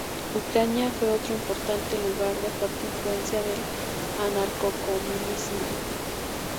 Ucrania fue otro importante lugar de fuerte influencia del anarcocomunismo.